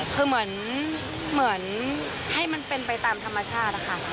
คือเหมือนให้มันเป็นไปตามธรรมชาตินะคะ